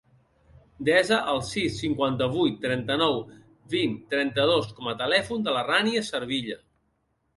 Desa el sis, cinquanta-vuit, trenta-nou, vint, trenta-dos com a telèfon de la Rània Cervilla.